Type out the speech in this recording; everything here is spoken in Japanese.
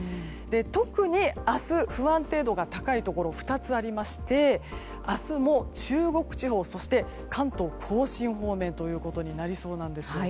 特に明日不安定度が高いところが２つありまして明日も中国地方そして関東・甲信方面ということになりそうです。